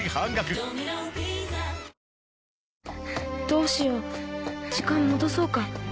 どうしよう時間戻そうか？